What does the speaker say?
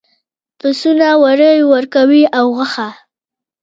پسونه وړۍ ورکوي او غوښه.